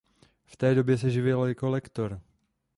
V té době se živil jako lektor.